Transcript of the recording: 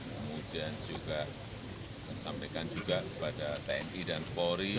kemudian juga sampaikan juga kepada tni dan polri